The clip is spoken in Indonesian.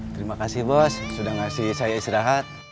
terima kasih bos sudah ngasih saya istirahat